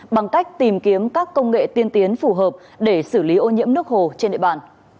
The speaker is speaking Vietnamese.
bằng cách tìm kiếm các công nghệ tiên tiến phù hợp để xử lý ô nhiễm nước hồ trên địa bàn